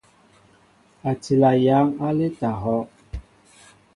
A tila yăŋ aleta ahɔʼ.